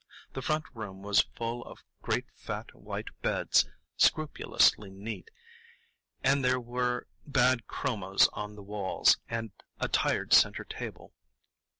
The front room was full of great fat white beds, scrupulously neat; and there were bad chromos on the walls, and a tired centre table.